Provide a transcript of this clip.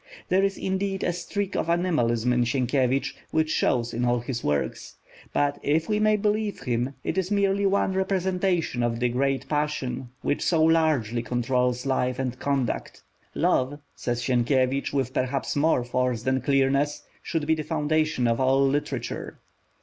There is indeed a streak of animalism in Sienkiewicz, which shows in all his works; but, if we may believe him, it is merely one representation of the great passion, which so largely controls life and conduct. Love, says Sienkiewicz, with perhaps more force than clearness, should be the foundation of all literature.